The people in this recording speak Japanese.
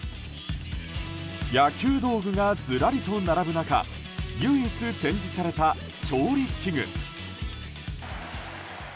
野球道具がずらりと並ぶ中唯一展示された調理器具。